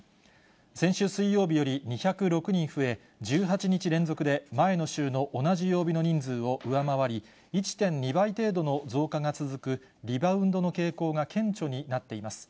先週水曜日より２０６人増え、１８日連続で前の週の同じ曜日の人数を上回り、１．２倍程度の増加が続く、リバウンドの傾向が顕著になっています。